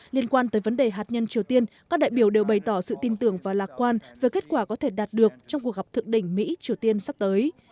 liên quan tới vấn đề hạt nhân triều tiên các đại biểu đều bày tỏ sự tin tưởng và lạc quan về kết quả có thể đạt được trong cuộc gặp thượng đỉnh mỹ triều tiên sắp tới